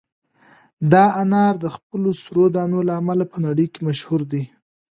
دا انار د خپلو سرو دانو له امله په نړۍ کې مشهور دي.